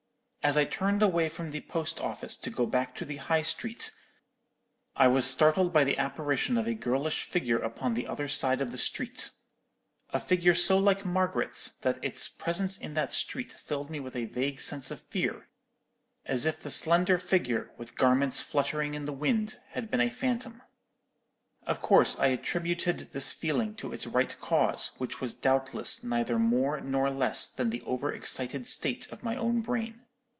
As I turned away from the post office to go back to the High Street, I was startled by the apparition of a girlish figure upon the other side of the street—a figure so like Margaret's that its presence in that street filled me with a vague sense of fear, as if the slender figure, with garments fluttering in the wind, had been a phantom. "Of course I attributed this feeling to its right cause, which was doubtless neither more nor less than the over excited state of my own brain.